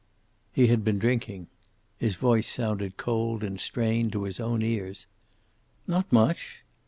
"He had been drinking." His voice sounded cold and strained to his own ears. "Not much.